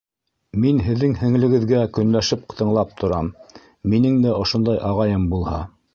Мин һеҙҙең һеңлегеҙгә көнләшеп тыңлап торам: минең дә ошондай ағайым булһа!